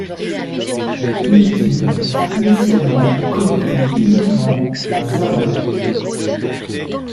Unity est initialement connecté uniquement à Zarya.